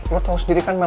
lo tau sendiri kan mel